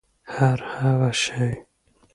هرهغه شی